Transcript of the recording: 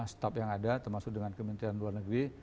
staff yang ada termasuk dengan kementerian luar negeri